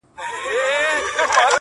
زما د زما د يار راته خبري کوه،